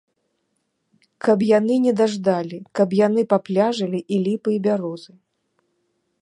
Каб яны не даждалі, як яны папляжылі і ліпы і бярозы!